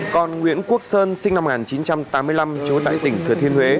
còn nguyễn quốc sơn sinh năm một nghìn chín trăm tám mươi năm trú tại tỉnh thừa thiên huế